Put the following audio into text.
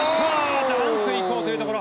ダンクに行こうというところ。